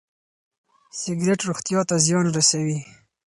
سګرټ روغتيا ته زيان رسوي.